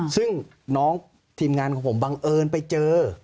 ซึ่งน้องทีมงานของผมบังเอิญไปเจอ